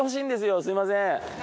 すみません。